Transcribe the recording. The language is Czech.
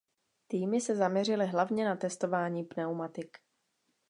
Týmy se zaměřily hlavně na testování pneumatik.